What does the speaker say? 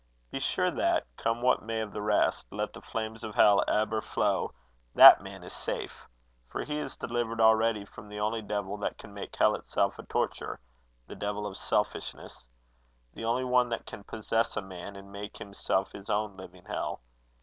Be sure that, come what may of the rest, let the flames of hell ebb or flow, that man is safe, for he is delivered already from the only devil that can make hell itself a torture, the devil of selfishness the only one that can possess a man and make himself his own living hell.